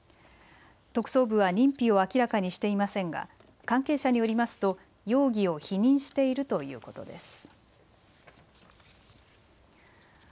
特捜部は認否を明らかにしていませんが関係者によりますと容疑を否認しているということです。